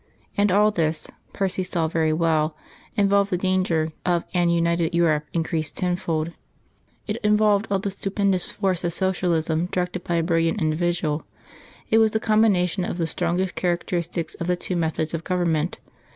And all this, Percy saw very well, involved the danger of an united Europe increased tenfold. It involved all the stupendous force of Socialism directed by a brilliant individual. It was the combination of the strongest characteristics of the two methods of government.